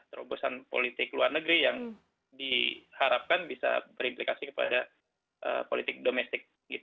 terobosan politik luar negeri yang diharapkan bisa berimplikasi kepada politik domestik